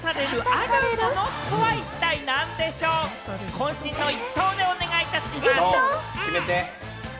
こん身の一答でお願いします。